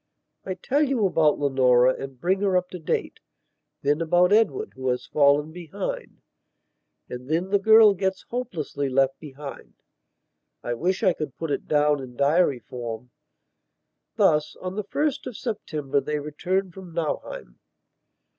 I tell you about Leonora and bring her up to date; then about Edward, who has fallen behind. And then the girl gets hopelessly left behind. I wish I could put it down in diary form. Thus: On the 1st of September they returned from Nauheim.